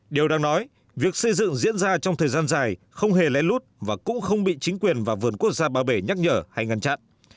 điều đang nói việc xây dựng diễn ra trong thời gian dài không hề lén lút và cũng không bị chính quyền và vườn quốc gia ba bể nhắc nhở hay ngăn chặn